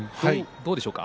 どうでしょうか。